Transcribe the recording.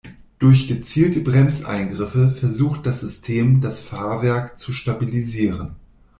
Durch gezielte Bremseingriffe versucht das System, das Fahrwerk zu stabilisieren.